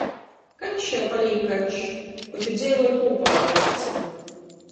Kačs jau palīk kačs, koč i dzeivoj kūpā ar luoci...